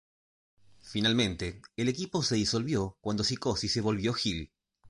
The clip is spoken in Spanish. Finalmente el equipo se disolvió cuando Psicosis se volvió heel.